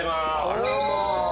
あらま。